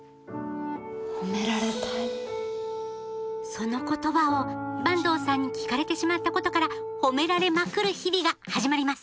その言葉を坂東さんに聞かれてしまったことから「褒められまくる」日々が始まります！